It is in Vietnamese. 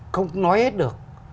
không nói hết được